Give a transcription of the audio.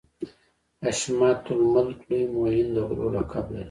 حشمت الملک لوی معین د غرو لقب لري.